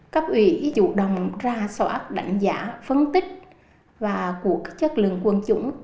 cấp ủy chủ đồng ra soát đảnh giả phân tích của chất lượng quân chủng